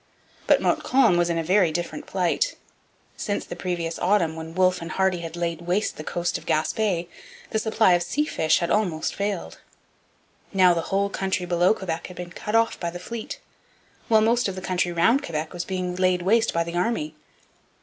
But Montcalm was in a very different plight. Since the previous autumn, when Wolfe and Hardy had laid waste the coast of Gaspe, the supply of sea fish had almost failed. Now the whole country below Quebec had been cut off by the fleet, while most of the country round Quebec was being laid waste by the army.